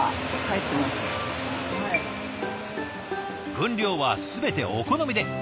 分量は全てお好みで。